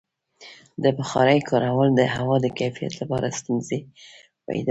د بخارۍ کارول د هوا د کیفیت لپاره ستونزې پیدا کوي.